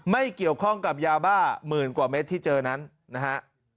ไม่เกี่ยวข้องกับยาบ้าหมื่นกว่าเมตรที่เจอนั้นนะฮะ